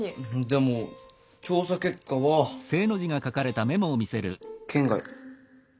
でも調査結果は圏外。